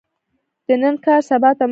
د نن کار، سبا ته مه پریږده.